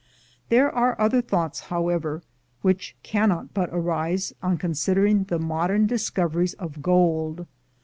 There are other thoughts, however, which cannot but arise on considering the modern discoveries of gold.